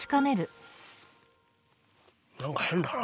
何か変だな。